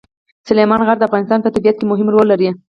سلیمان غر د افغانستان په طبیعت کې مهم رول لري.